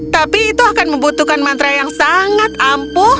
tapi itu akan membutuhkan mantra yang sangat ampuh